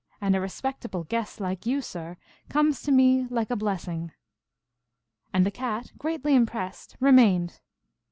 and a respectable guest, like you, sir, comes to me like a blessing." And the Cat, greatly impressed, re mained.